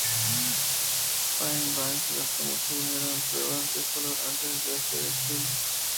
Fairbanks gastó mucho dinero en pruebas de color antes de hacer el film.